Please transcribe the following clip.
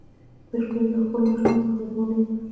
د شپې مې له خپلو ماشومانو سره خدای پاماني کړې وه.